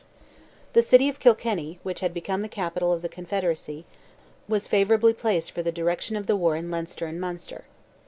The city of Kilkenny, which had become the capital of the Confederacy, was favourably placed for the direction of the war in Leinster and Munster.